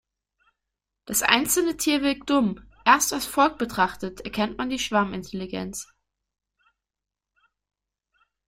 Das einzelne Tier wirkt dumm, erst als Volk betrachtet erkennt man die Schwarmintelligenz.